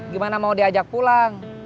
gimana mau diajak pulang